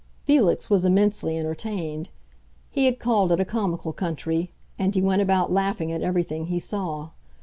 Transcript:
Felix was immensely entertained. He had called it a comical country, and he went about laughing at everything he saw.